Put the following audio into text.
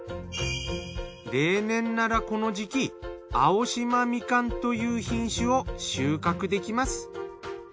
例年ならこの時期青島みかんという品種を収穫できます。